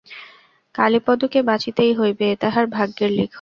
কালীপদকে বাঁচিতেই হইবে, এ তাহার ভাগ্যের লিখন।